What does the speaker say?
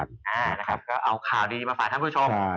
นะครับก็เอาข่าวดีมาฝากท่านผู้ชม